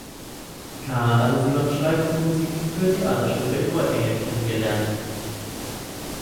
Kah hatten sie beim Schreiben von Musik für Theaterstücke in Reutlingen kennengelernt.